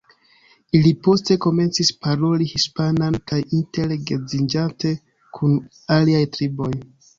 Ili poste komencis paroli hispanan kaj inter-geedziĝante kun aliaj triboj.